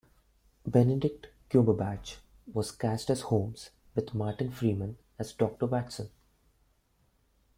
Benedict Cumberbatch was cast as Holmes, with Martin Freeman as Doctor Watson.